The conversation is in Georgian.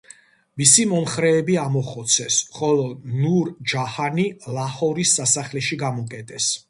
მისი მომხრეები ამოხოცეს, ხოლო ნურ-ჯაჰანი ლაჰორის სასახლეში გამოკეტეს.